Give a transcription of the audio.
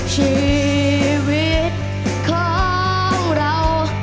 ชีวิตของเรา